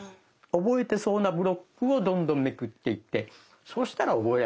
覚えてそうなブロックをどんどんめくっていってそしたら覚えられる。